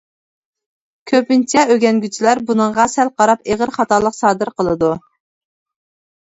كۆپىنچە ئۆگەنگۈچىلەر بۇنىڭغا سەل قاراپ ئېغىر خاتالىق سادىر قىلىدۇ.